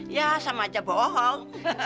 ya sama aja bohong